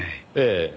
ええ。